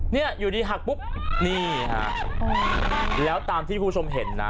เนี่ยอยู่ดีหักปุ๊บนี่ฮะแล้วตามที่คุณผู้ชมเห็นนะ